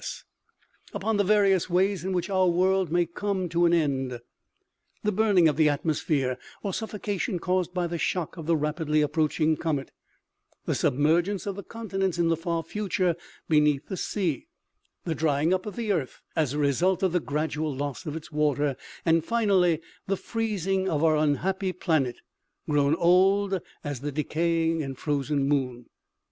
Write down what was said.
TOS upon the various ways in which our world may come to an end. The burning of the atmosphere, or suffocation caused by the shock of the rapidly approaching comet ; the submergence of the continents in the far future beneath the sea ; the drying up of the earth as a result of the gradual loss of its water ; and finally, the freezing of our unhappy planet, grown old as the decaying and frozen moon.